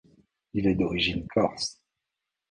Il est d'origine corse.